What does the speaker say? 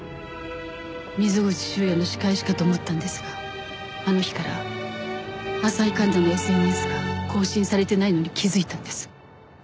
溝口修也の仕返しかと思ったんですがあの日から浅井環那のＳＮＳが更新されてないのに気づいたんです。